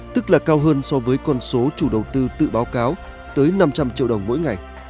tức là cao hơn so với con số chủ đầu tư tự báo cáo tới năm trăm linh triệu đồng mỗi ngày